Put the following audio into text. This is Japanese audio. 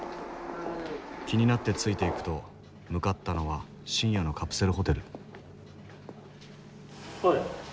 気になってついていくと向かったのは深夜のカプセルホテルおい。